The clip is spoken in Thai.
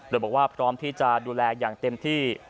โดยบอกว่าพร้อมที่จะดูแลอย่างเต็มที่